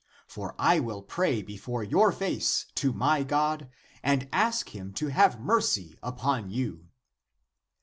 For I will pray before your face to my God, and ask him to have mercy upon you."